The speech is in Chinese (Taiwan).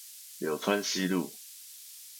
柳川西路